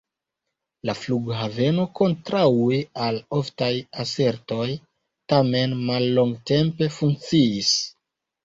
La flughaveno, kontraŭe al oftaj asertoj, tamen mallongtempe funkciis.